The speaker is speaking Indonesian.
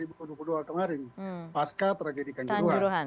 oktober dua ribu dua puluh dua kemarin pasca tragedikan juruan